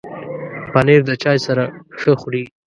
پنېر د چای سره ښه خوري.